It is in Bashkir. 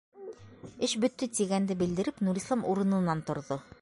Эш бөттө, тигәнде белдереп, Нурислам урынынан торҙо.